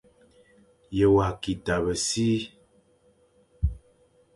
Ye wa ki tabe si ?